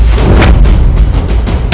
kel gitau atau memacetmu